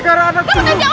kamu jangan di sini